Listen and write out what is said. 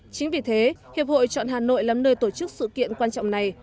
chính vì thế hiệp hội chọn hà nội làm nơi tổ chức sự kiện quan trọng này